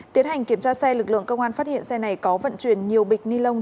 tiến hành kiểm tra xe lực lượng công an phát hiện xe này có vận chuyển nhiều bịch ni lông